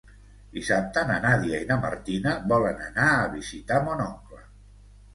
Dissabte na Nàdia i na Martina volen anar a visitar mon oncle.